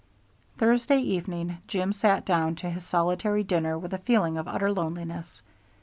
Thursday evening Jim sat down to his solitary dinner with a feeling of utter loneliness.